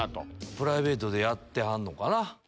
プライベートでやってはんのかな。